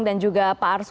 dan juga pak arsul sani